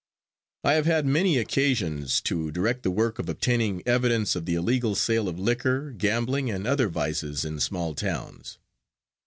I have had many occasions to direct the work of obtaining evidence of the illegal sale of liquor, gambling and other vices in small towns.